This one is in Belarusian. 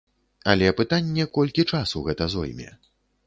Але пытанне, колькі часу гэта зойме.